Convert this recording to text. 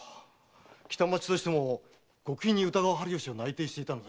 北町としても極秘に歌川春芳を内偵していたのです。